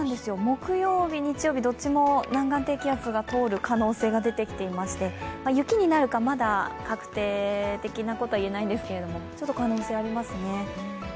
木曜日、日曜日、どっちも南岸低気圧が通る可能性が出てきまして雪になるか、まだ確定的なことは言えないんですけれども、ちょっと可能性はありますね。